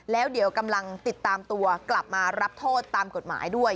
แล้วเดี๋ยวกำลังติดตามตัวกลับมารับโทษตามกฎหมายด้วย